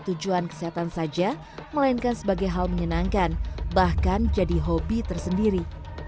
tujuan kesehatan saja melainkan sebagai hal menyenangkan bahkan jadi hobi tersendiri